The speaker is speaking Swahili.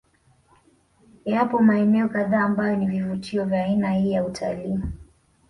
Yapo maeneo kadhaa ambayo ni vivutio vya aina hii ya Utalii